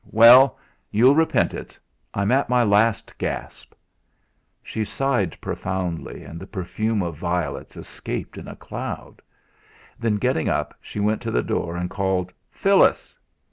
"Well! You'll repent it. I'm at my last gasp." She sighed profoundly, and the perfume of violets escaped in a cloud; Then, getting up, she went to the door and called: "Phyllis!"